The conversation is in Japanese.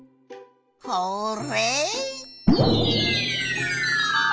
ホーレイ！